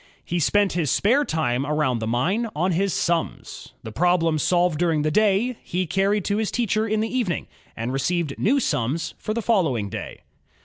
He spent his spare time about the mine on his "sums." The problems solved during the day, he carried to his teacher in the evening, and received new "sums" for the following day.